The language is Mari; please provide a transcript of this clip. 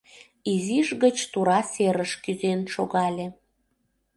Изиш гыч тура серыш кӱзен шогале.